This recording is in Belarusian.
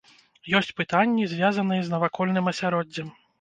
Ёсць пытанні, звязаныя з навакольным асяроддзем.